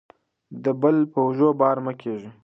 د بل په اوږو بار مه کیږئ.